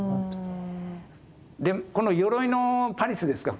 でこのよろいのパリスですか